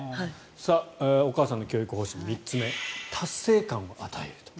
お母さんの教育方針３つ目達成感を与えると。